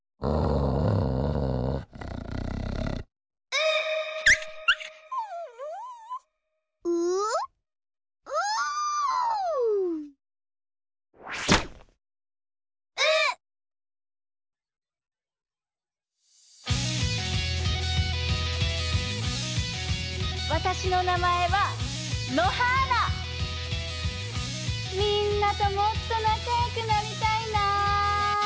みんなともっとなかよくなりたいな。